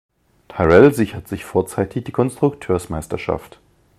Tyrrell sichert sich vorzeitig die Konstrukteursmeisterschaft.